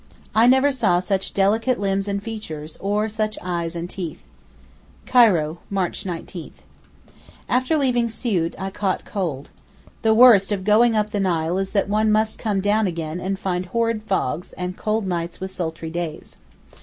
I never saw such delicate limbs and features, or such eyes and teeth. CAIRO, March 19. After leaving Siout I caught cold. The worst of going up the Nile is that one must come down again and find horrid fogs, and cold nights with sultry days.